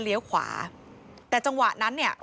เลี้ยวขวาแต่จังหวะนั้นเนี่ย